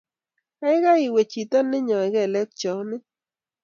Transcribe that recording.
Geigei iwe chito neinyoi keleek cheamin